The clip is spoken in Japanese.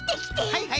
はいはい。